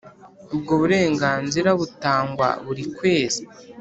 Ubwo burenganzira butangwa buri kwezi